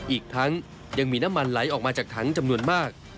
อีกทั้งยังมีน้ำมันไหลออกมาจากถังจำนวนมาก